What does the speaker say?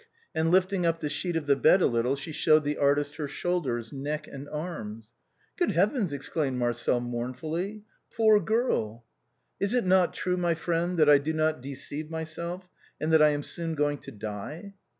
EPILOGUE TO THE LOVES OF RODOLPHE AND MIMI. 329 And lifting up the sheet of the bed a little she showed the artist her shoulders^, neck and arms. " Good heavens !" exclaimed Marcel mournfully, " poor girl." " Is it not true, my friend, that I do not deceive myself and that I am soon going to die